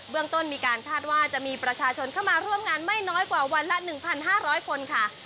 เรื่องต้นมีการคาดว่าจะมีประชาชนเข้ามาร่วมงานไม่น้อยกว่าวันละ๑๕๐๐คนค่ะ